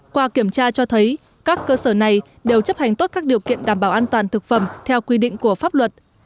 qua kiểm tra cho thấy các cơ sở này đều chấp hành tốt các điều kiện đảm bảo an toàn thực phẩm theo quy định của pháp luật